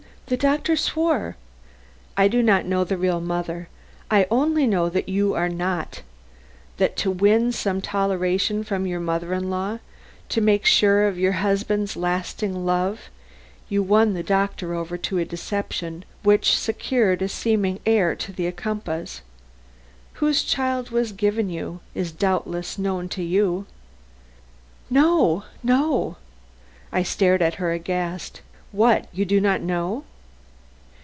The doctor swore " "I do not know the real mother. I only know that you are not; that to win some toleration from your mother in law, to make sure of your husband's lasting love, you won the doctor over to a deception which secured a seeming heir to the Ocumpaughs. Whose child was given you, is doubtless known to you " "No, no." I stared, aghast. "What! You do not know?"